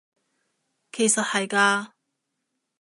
其實係嘅